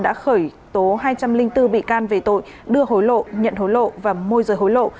đã khởi tố hai trăm linh bốn bị can về tội đưa hối lộ nhận hối lộ và môi rời hối lộ